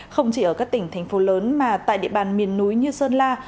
không chỉ ở các tỉnh thành phố lớn mà tại địa bàn miền núi như sơn la